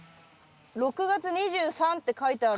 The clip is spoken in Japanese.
６月２３って書いてある。